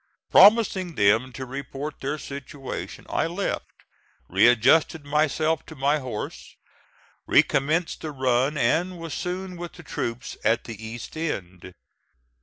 Promising them to report their situation, I left, readjusted myself to my horse, recommenced the run, and was soon with the troops at the east end.